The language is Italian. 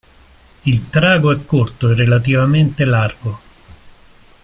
Il trago è corto e relativamente largo.